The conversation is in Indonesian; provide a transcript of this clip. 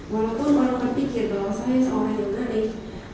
walaupun orang terpikir bahwa saya seorang yang naik